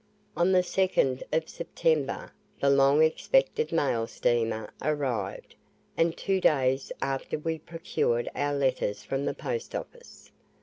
On the 2nd of September, the long expected mail steamer arrived, and two days after we procured our letters from the Post office.